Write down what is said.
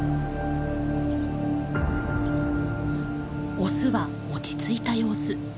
オスは落ち着いた様子。